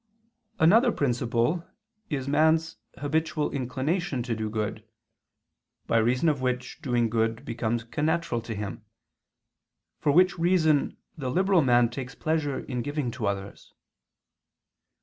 Another principle is man's habitual inclination to do good, by reason of which doing good becomes connatural to him: for which reason the liberal man takes pleasure in giving to others.